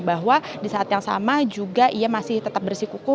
bahwa disaat yang sama juga ia masih tetap bersikuku